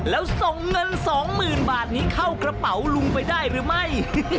แล้วส่งเงิน๒๐๐๐บาทนี้เข้ากระเป๋าลุงไปได้หรือไม่